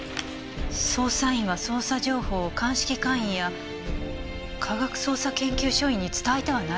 「捜査員は捜査情報を鑑識課員や科学捜査研究所員に伝えてはならない」